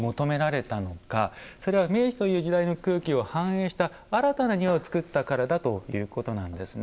それは明治という時代の空気を反映した新たな庭をつくったからだということなんですね。